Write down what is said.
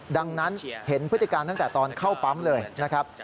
ดังนั้นเห็นพฤติการตั้งแต่ตอนเข้าปั๊มเลยนะครับ